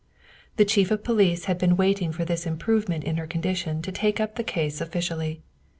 The chief of police had been waiting for this improve ment in her condition to take up the case officially.